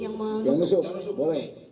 yang nusuk boleh